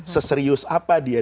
seserius apa dia